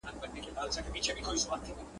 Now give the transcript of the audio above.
کله به زموږ ټولنه د علم په ارزښت پوه سي؟